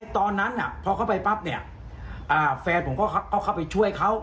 ตอนนั้นพอเข้าไปปั๊บเนี่ยแฟนผมก็เข้าไปช่วยเขา